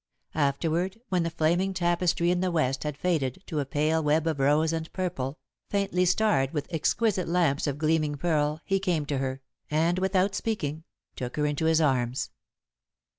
Afterward, when the flaming tapestry in the West had faded to a pale web of rose and purple, faintly starred with exquisite lamps of gleaming pearl, he came to her, and, without speaking, took her into his arms.